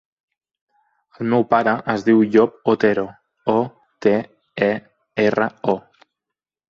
El meu pare es diu Llop Otero: o, te, e, erra, o.